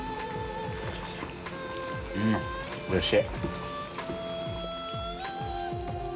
うんおいしい。